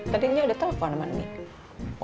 tadinya udah telfon sama nih